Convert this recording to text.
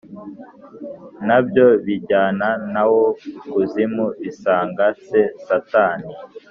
Na byo bijyana na wo ikuzimu bisanga se satani